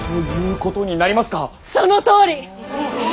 そのとおり！